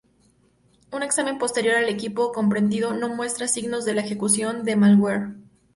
Un examen posterior al equipo comprometido no muestra signos de la ejecución del malware.